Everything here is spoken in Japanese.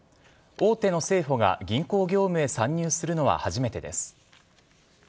大手の生保が銀行業務へ参入するのは初めてです。